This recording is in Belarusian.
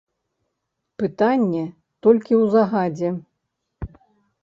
Пытанне толькі ў загадзе.